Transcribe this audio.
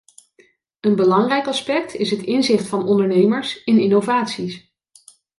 Een belangrijk aspect is het inzicht van ondernemers in innovaties.